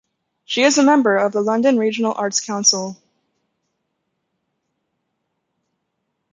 She is a member of the London Regional Arts Council.